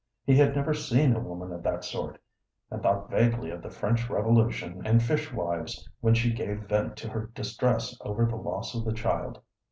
He had never seen a woman of that sort, and thought vaguely of the French Revolution and fish wives when she gave vent to her distress over the loss of the child.